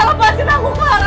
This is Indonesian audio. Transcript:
lepasin aku sekarang clara